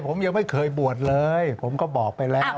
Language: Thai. ผมยังไม่เคยบวชเลยผมก็บอกไปแล้ว